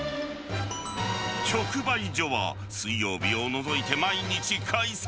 直売所は、水曜日を除いて毎日開催。